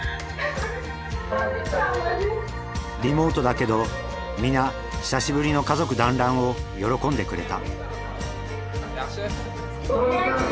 リモートだけど皆久しぶりの家族団らんを喜んでくれた。